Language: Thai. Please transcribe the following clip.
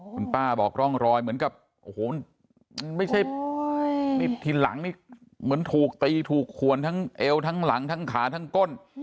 คุณป้าบอกร่องรอยเหมือนกับโอ้โหมันไม่ใช่นี่ทีหลังนี่เหมือนถูกตีถูกขวนทั้งเอวทั้งหลังทั้งขาทั้งก้น